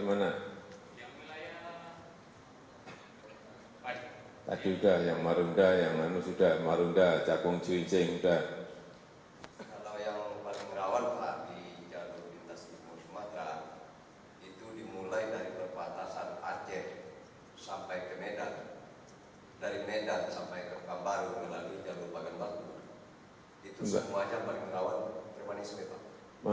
mulai lagi ini perbatasan antara jambi dengan perempang